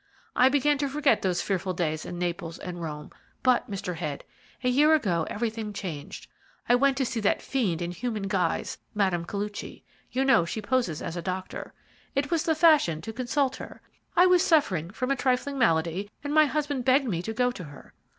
I began to forget those fearful days in Naples and Rome; but, Mr. Head, a year ago everything changed. I went to see that fiend in human guise, Mme. Koluchy. You know she poses as a doctor. It was the fashion to consult her. I was suffering from a trifling malady, and my husband begged me to go to her.